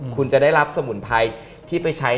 คุณจะได้รับสมุนไพรที่ไปใช้